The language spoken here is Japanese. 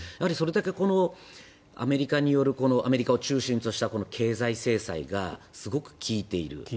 それだけアメリカによるアメリカを中心とした経済制裁がすごく効いている。